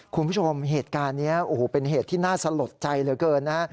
คุณผู้ชมเหตุการณ์นี้เป็นเหตุที่น่าสะหรับใจเหลือเกิน